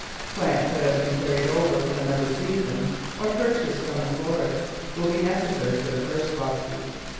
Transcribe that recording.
Plants that have been carried over from another season, or purchased from the florist, will be necessary for the first boxes.